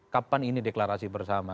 kapan ini deklarasi bersama